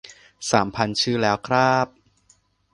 สามพันชื่อแล้วคร้าบ